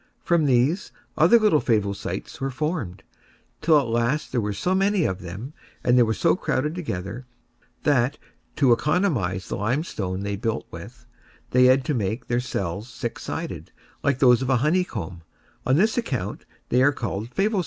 From these, other little Favosites were formed, till at last there were so many of them, and they were so crowded together, that, to economize the limestone they built with, they had to make their cells six sided, like those of a honey comb: on this account they are called Favosites.